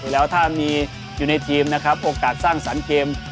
แล้วถ้ามีอยู่ในทีมนะครับโอกาสสร้างสรรค์เกม